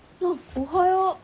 おはよう。